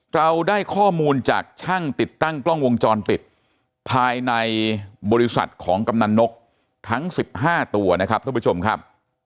เราได้ข้อมูลจากช่างติดตั้งกล้องวงจรปิดภายในบริษัทของกำนันนกทั้ง๑๕ตัวนะครับท่านผู้ชมครับ